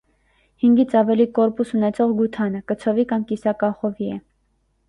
Հինգից ավելի կորպուս ունեցող գութանը՝ կցովի կամ կիսակախովի է։